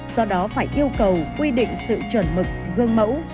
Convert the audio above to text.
do đó phải yêu cầu quy định sự chuẩn mực gương mẫu